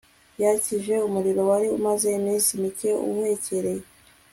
yakije umuriro wari umaze iminsi mike uhwekereye